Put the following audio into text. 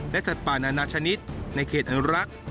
สัตว์ป่านานาชนิดในเขตอนุรักษ์